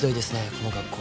この学校。